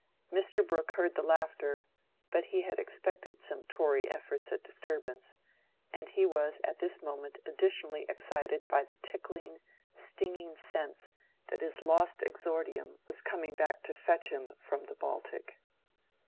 Mr. Brooke heard the laughter; but he had expected some Tory efforts at disturbance, and he was at this moment additionally excited by the tickling, stinging sense that his lost exordium was coming back to fetch him from the Baltic.